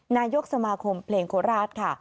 นายกสมาคมเพลงโคราชค่ะ